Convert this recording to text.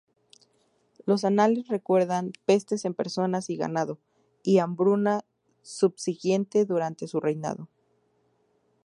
Los anales recuerdan pestes en personas y ganado, y hambruna subsiguiente, durante su reinado.